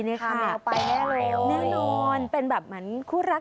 เนี่ยค่ะเนี่ยโอ้น่าร้อนเป็นแบบมันคู่รัก